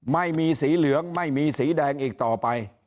ไม่มีสีเหลืองไม่มีสีแดงอีกต่อไป